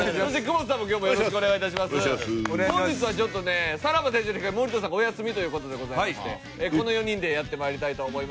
本日はちょっとねさらば青春の光森田さんがお休みという事でございましてこの４人でやって参りたいと思います。